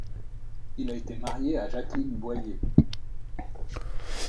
Il a été marié à Jacqueline Boyer.